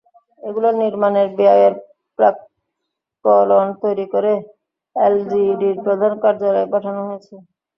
এগুলোর নির্মাণের ব্যয়ের প্রাক্কলন তৈরি করে এলজিইডির প্রধান কার্যালয়ে পাঠানো হয়েছে।